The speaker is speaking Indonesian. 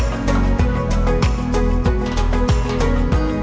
kalau di nabelin kan apa lagi dany